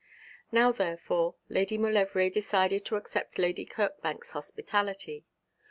Now, therefore, Lady Maulevrier decided to accept Lady Kirkbank's hospitality.